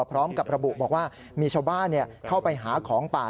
พร้อมกับระบุบอกว่ามีชาวบ้านเข้าไปหาของป่า